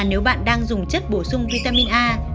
nếu bạn đang dùng chất bổ sung vitamin a